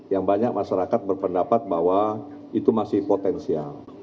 yang banyak masyarakat berpendapat bahwa itu masih potensial